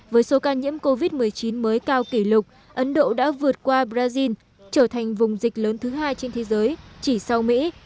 với số ca nhiễm covid một mươi chín mới cao kỷ lục ấn độ đã vượt qua brazil trở thành vùng dịch lớn thứ hai trên thế giới chỉ sau mỹ